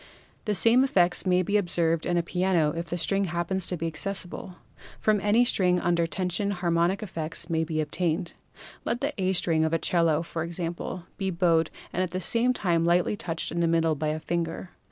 The same effects may be observed in a piano if the string happens to be access ible. From any string under tension harmonic effects may be obtained. Let the A string of a 'cello, for example, be bowed and at the same time lightly touched in the middle by a finger.